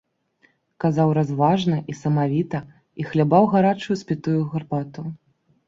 Казаў разважна і самавіта і хлябаў гарачую спітую гарбату.